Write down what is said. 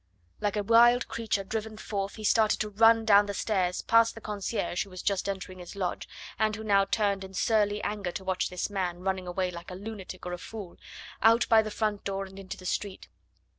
Like a wild creature driven forth he started to run down the stairs, past the concierge, who was just entering his lodge, and who now turned in surly anger to watch this man running away like a lunatic or a fool, out by the front door and into the street.